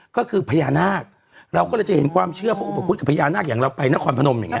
ก็คือพญานาคเราก็เลยจะเห็นความเชื่อเพราะอุปคุธกับพญานาคอย่างเราไปนครพนมอย่างเ